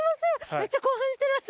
めっちゃ興奮してます